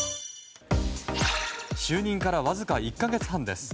就任からわずか１か月半です。